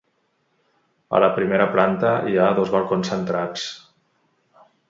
A la primera planta hi ha dos balcons centrats.